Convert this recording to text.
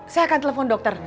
saya akan telepon dokter